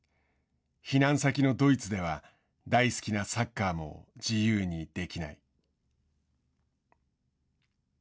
避難先のドイツでは大好きなサッカーも自由にできない。